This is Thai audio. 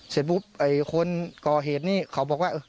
เสร็จปุ๊บไอ้คนก่อเหตุนี้เขาบอกว่า